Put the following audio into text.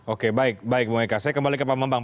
oke baik baik bu eka saya kembali ke pak bambang